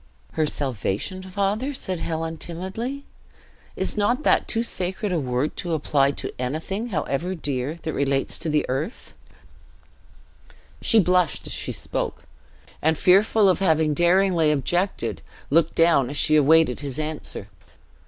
'" "Her salvation, father?" said Helen, timidly. "Is not that too sacred a word to apply to anything, however dear, that relates to earth?" She blushed as she spoke; and fearful of having too daringly objected, looked down as she awaited his answer.